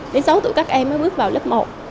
đến sáu tuổi các em mới bước vào lớp một